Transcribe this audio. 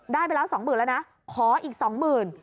ได้ไปแล้ว๒๐๐๐๐บาทขออีก๒๐๐๐๐บาท